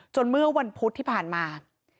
เมื่อวันพุธที่ผ่านมา